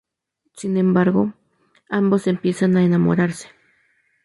Sin embargo, ambos empiezan a enamorarse.